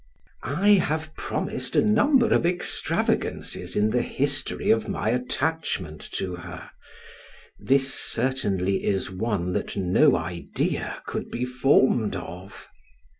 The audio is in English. I have promised a number of extravagancies in the history of my attachment to her; this certainly is one that no idea could be formed of.